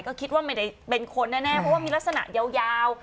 ก็คิดว่าไม่ได้เป็นคนแน่เพราะว่ามีลักษณะยาว